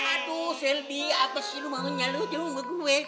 aduh selby apa sih lo mau nyalo jamu ke gue